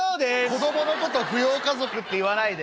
「子供のこと扶養家族って言わないで！